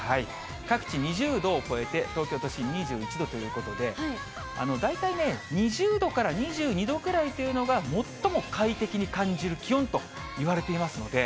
各地２０度を超えて、東京都心２１度ということで、大体ね、２０度から２２度ぐらいというのが、最も快適に感じる気温といわれていますので。